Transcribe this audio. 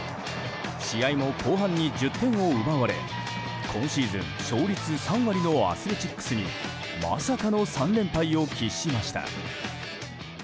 試合も後半に１０点を奪われ今シーズン勝率３割のアスレチックスにまさかの３連敗を喫しました。